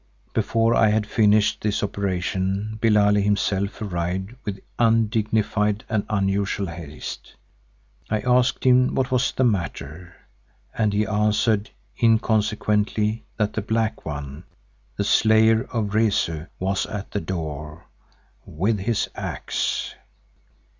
Before I had finished this operation Billali himself arrived with undignified and unusual haste. I asked him what was the matter, and he answered inconsequently that the Black One, the slayer of Rezu, was at the door "with his axe."